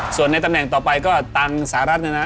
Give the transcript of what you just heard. ส่วนในตำแหน่งต่อไปก็ต่างสาระนั้นนะ